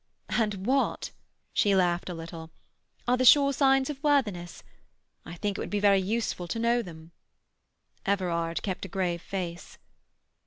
"And what"—she laughed a little—"are the sure signs of worthiness? I think it would be very needful to know them." Everard kept a grave face.